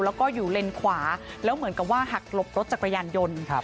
แล้วก็อยู่เลนขวาแล้วเหมือนกับว่าหักหลบรถจักรยานยนต์